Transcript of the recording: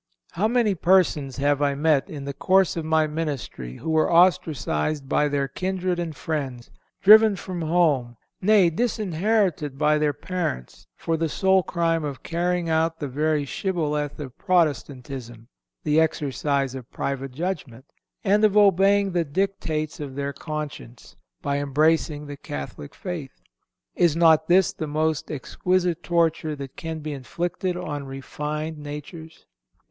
How many persons have I met in the course of my ministry who were ostracized by their kindred and friends, driven from home, nay, disinherited by their parents, for the sole crime of carrying out the very shibboleth of Protestantism—the exercise of private judgment, and of obeying the dictates of their conscience, by embracing the Catholic faith! Is not this the most exquisite torture that can be inflicted on refined natures?